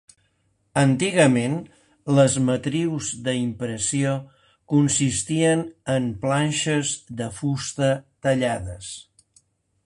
Antigament les matrius d'impressió consistien en planxes de fusta tallades.